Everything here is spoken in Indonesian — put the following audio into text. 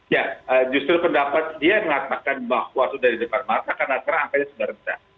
ya justru pendapat dia mengatakan bahwa sudah di depan mata karena sekarang angkanya sudah rendah